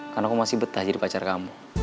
karena aku masih betah jadi pacar kamu